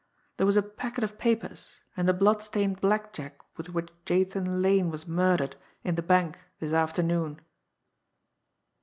"There was a packet of papers, and the blood stained blackjack with which Jathan Lane was murdered in the bank this afternoon."